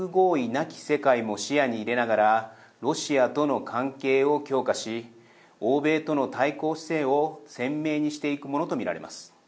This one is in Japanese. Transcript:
なき世界も視野に入れながらロシアとの関係を強化し欧米との対抗姿勢を鮮明にしていくものと見られます。